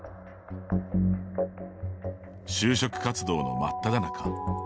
就職活動の真っただ中。